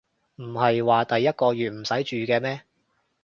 唔係話第一個月唔使住嘅咩